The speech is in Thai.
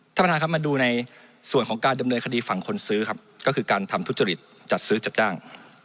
ท่านประธานครับมาดูในส่วนของการดำเนินคดีฝั่งคนซื้อครับก็คือการทำทุจริตจัดซื้อจัดจ้าง